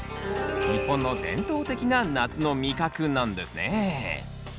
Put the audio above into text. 日本の伝統的な夏の味覚なんですね。